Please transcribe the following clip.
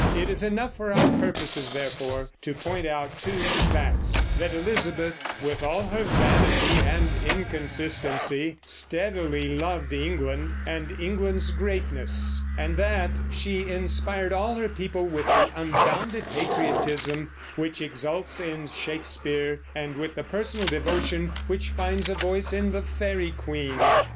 It is enough for our purpose, therefore, to point out two facts: that Elizabeth, with all her vanity and inconsistency, steadily loved England and England's greatness; and that she inspired all her people with the unbounded patriotism which exults in Shakespeare, and with the personal devotion which finds a voice in the Faery Queen.